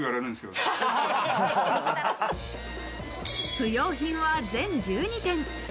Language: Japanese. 不用品は全１２点。